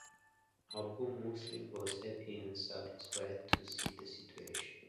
Abu Muslim was happy and satisfied to see the situation.